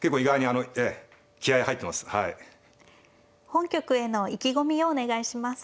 本局への意気込みをお願いします。